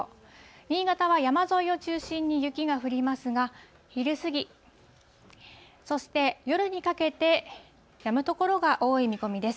新潟は山沿いを中心に雪が降りますが、昼過ぎ、そして夜にかけて、やむ所が多い見込みです。